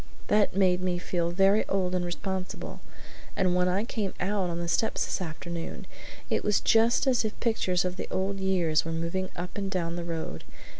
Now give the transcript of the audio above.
That made me feel very old and responsible; and when I came out on the steps this afternoon it was just as if pictures of the old years were moving up and down the road.